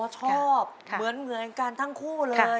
ชอบเหมือนกันทั้งคู่เลย